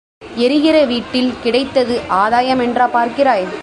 எரிகிற வீட்டில் கிடைத்தது ஆதாயமென்றா பார்க்கிறாய்?